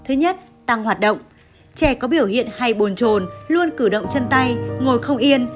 thứ nhất tăng hoạt động trẻ có biểu hiện hay bồn trồn luôn cử động chân tay ngồi không yên